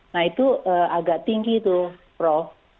nah itu agak tinggi itu prof